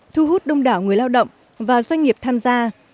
thu hút đông đảo người lao động và doanh nghiệp tham gia